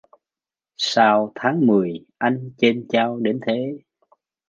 Sao tháng mười anh chênh chao đến thế!